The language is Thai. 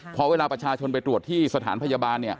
พอเวลาประชาชนไปตรวจที่สถานพยาบาล